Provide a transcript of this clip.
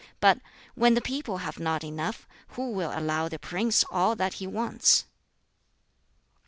But when the people have not enough, who will allow their prince all that he wants?"